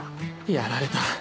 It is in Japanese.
やられた